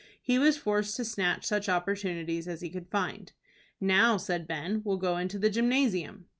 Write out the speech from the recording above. He was forced to snatch such opportunities as he could find. "Now," said Ben, "we'll go into the gymnasium."